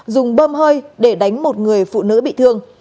dùng bơm hơi để đánh một người phụ nữ bị thương